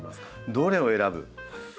どれを選ぶ。